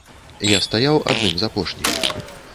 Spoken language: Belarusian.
Я стаяў адным з апошніх.